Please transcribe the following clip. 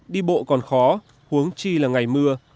đi bộ còn khó huống chi là ngày mưa